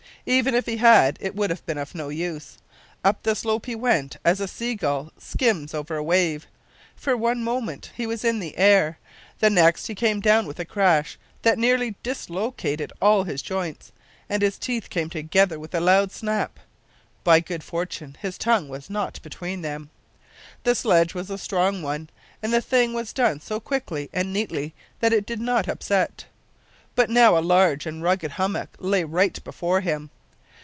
Even if he had it would have been of no use. Up the slope he went as a sea gull skims over a wave; for one moment he was in the air the next, he came down with a crash that nearly dislocated all his joints, and his teeth came together with a loud snap. (By good fortune his tongue was not between them!) The sledge was a strong one, and the thing was done so quickly and neatly that it did not upset. But now a large and rugged hummock lay right before him.